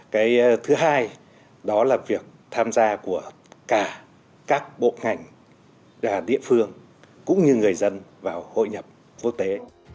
cái thứ hai đó là việc tham gia của cả các bộ ngành địa phương cũng như người dân vào hội nhập quốc tế